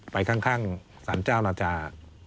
ไปข้างสรรเจ้านาจา